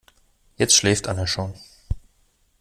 Jetzt schläft Anne schon.